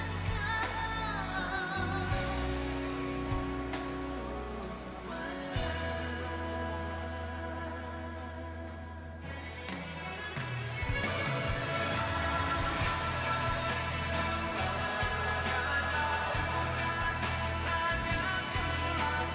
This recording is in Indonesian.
semua syukur maik dikata orang